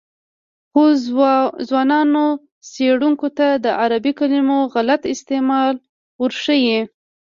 خو ځوانو څېړونکو ته د عربي کلمو غلط استعمال ورښيي.